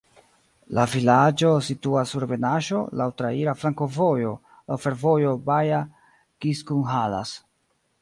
La vilaĝo situas sur ebenaĵo, laŭ traira flankovojo, laŭ fervojo Baja-Kiskunhalas.